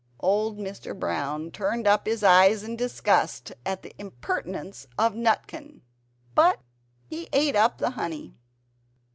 Old Mr. Brown turned up his eyes in disgust at the impertinence of Nutkin. But he ate up the honey!